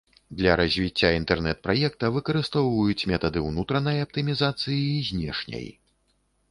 Для развіцця інтэрнэт-праекта выкарыстоўваюць метады ўнутранай аптымізацыі і знешняй.